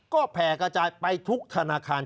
ก็แผ่กระจายไปทุกธนาคาร